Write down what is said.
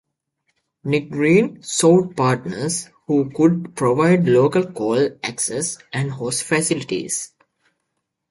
Nick Green sought partners who could provide local call access and Host facilities.